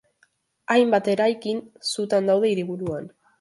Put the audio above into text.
Hainbat eraikin sutan daude hiriburuan.